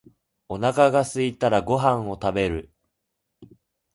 お腹がすいたらご飯を食べる。